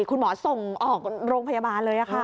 คุณหมอส่งออกโรงพยาบาลเลยค่ะ